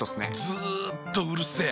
ずっとうるせえ。